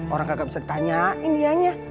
orang kagak bisa ditanyain dianya